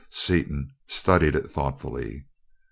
Seaton studied it thoughtfully.